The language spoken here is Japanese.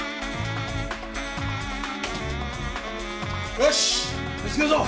よし見つけるぞ！